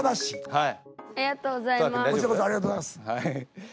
はい！